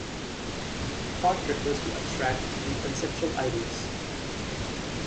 Thought refers to abstract and conceptual ideas.